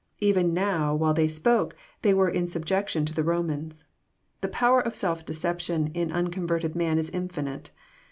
Even now, while they spoke, they were in subjection to the Bomans. TLo power of self deception in unconverted man is Infinite.